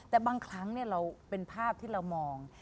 แต่บางครั้งเราเป็นภาพที่เรามอง